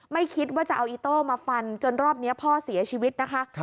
ไม่คิดว่าจะเอาอีโต้มาฟันจนรอบนี้พ่อเสียชีวิตนะคะ